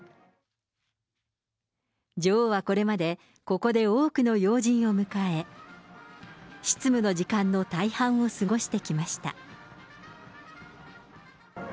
女王はこれまで、ここで多くの要人を迎え、執務の時間の大半を過ごしてきました。